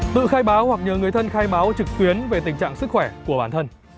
tự khai báo hoặc nhờ người thân khai báo trực tuyến về tình trạng sức khỏe của bản thân